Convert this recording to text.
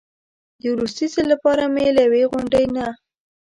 د وروستي ځل لپاره مې له یوې غونډۍ نه.